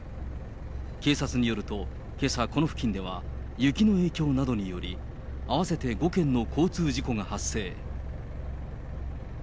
警察によると、けさ、この付近では雪の影響などにより、合わせて５件の交通事故が発生。